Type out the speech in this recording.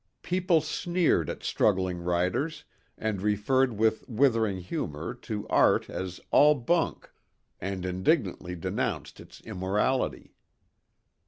People sneered at struggling writers and referred with withering humor to art as "all bunk" and indignantly denounced its immorality.